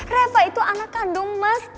reva itu anak kandung mas